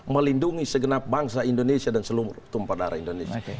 melindungi segenap bangsa indonesia dan seluruh tumpah darah indonesia